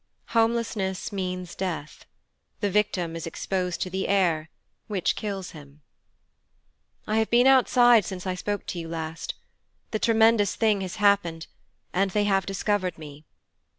Homelessness means death. The victim is exposed to the air, which kills him. 'I have been outside since I spoke to you last. The tremendous thing has happened, and they have discovered me.'